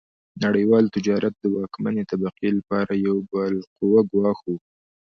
نړیوال تجارت د واکمنې طبقې لپاره یو بالقوه ګواښ و.